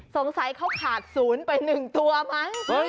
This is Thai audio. สงสัยเขาขาดศูนย์ไป๑ตัวมั้ง